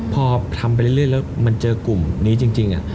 พอทำไปเรื่อยแล้วมันเจอกลุ่มนี้จริง